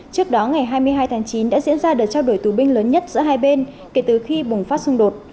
trước đó ngày hai mươi hai tháng chín đã diễn ra đợt trao đổi tù binh lớn nhất giữa hai bên kể từ khi bùng phát xung đột